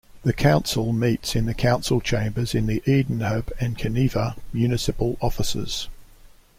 The council meets in the council chambers in the Edenhope and Kaniva Municipal Offices.